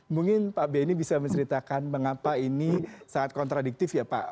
mungkin pak benny bisa menceritakan mengapa ini sangat kontradiktif ya pak